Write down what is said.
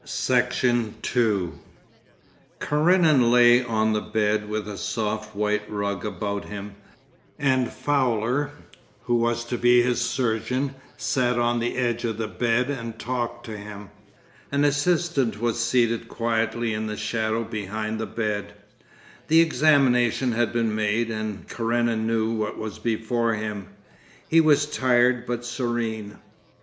Section 2 Karenin lay on the bed with a soft white rug about him, and Fowler, who was to be his surgeon sat on the edge of the bed and talked to him. An assistant was seated quietly in the shadow behind the bed. The examination had been made, and Karenin knew what was before him. He was tired but serene.